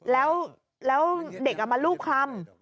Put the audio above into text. แล้วเด็กมารูปคลำ